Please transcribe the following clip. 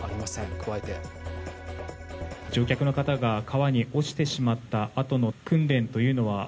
加えて乗客の方が川に落ちてしまったあとの訓練というのは？